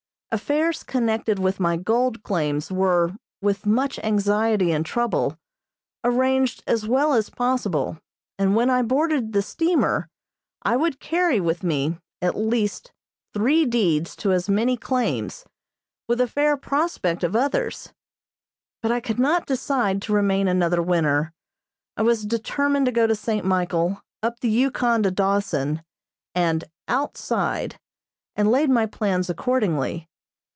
Affairs connected with my gold claims were, with much anxiety and trouble, arranged as well as possible, and when I boarded the steamer, I would carry with me, at least, three deeds to as many claims, with a fair prospect of others; but I could not decide to remain another winter. I was determined to go to St. Michael, up the Yukon to Dawson, and "outside," and laid my plans accordingly.